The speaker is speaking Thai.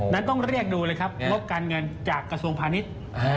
นั้นต้องเรียกดูเลยครับงบการเงินจากกระทรวงพาณิชย์